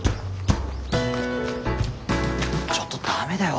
ちょっとダメだよ。